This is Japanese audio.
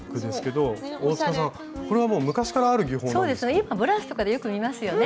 今はブラウスとかでよく見ますよね。